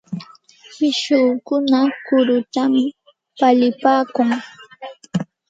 Pishqukuna kurutam palipaakun.